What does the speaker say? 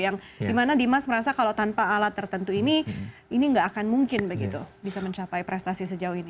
yang dimana dimas merasa kalau tanpa alat tertentu ini ini nggak akan mungkin begitu bisa mencapai prestasi sejauh ini